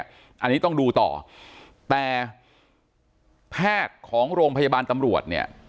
อันนี้ต้องดูต่อแต่แพทย์ของโรงพยาบาลตำรวจเนี่ย